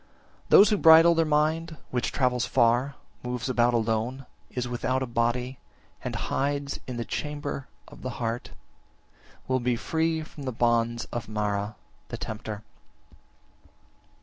37. Those who bridle their mind which travels far, moves about alone, is without a body, and hides in the chamber (of the heart), will be free from the bonds of Mara (the tempter).